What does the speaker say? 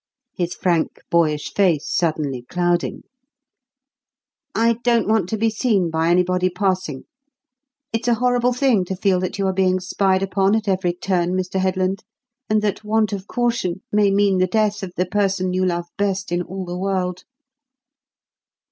his frank, boyish face suddenly clouding. "I don't want to be seen by anybody passing. It's a horrible thing to feel that you are being spied upon, at every turn, Mr. Headland, and that want of caution may mean the death of the person you love best in all the world."